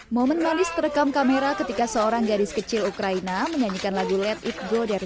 momen manis terekam kamera ketika seorang gadis kecil ukraina menyanyikan lagu lat it go dari